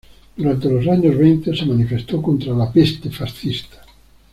Durante los años veinte se manifestó contra la "peste fascista".